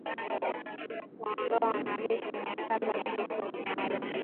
Kuwaondoa wanajeshi mia saba wa kikosi maalum